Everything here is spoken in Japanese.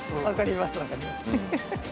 分かります